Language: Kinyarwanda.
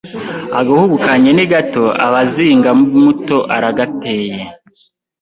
Agahugu kange ni gato Abazingamuto aragateye